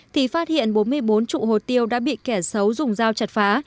thì phát hiện bốn mươi bốn trụ hồ tiêu đã bị kẻ xấu dùng dao chặt phá